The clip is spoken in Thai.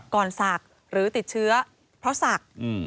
ศักดิ์หรือติดเชื้อเพราะศักดิ์